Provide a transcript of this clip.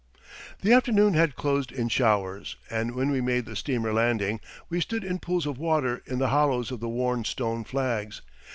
The afternoon had closed in showers, and when we made the steamer landing we stood in pools of water in the hollows of the worn stone flags.